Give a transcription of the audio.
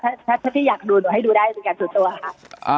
แต่ถ้าจะต้องดูหน่อยก็ได้ว่าเป็นข้อต่อสันตัวนะครับ